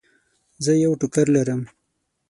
زه یو ټوکر لرم.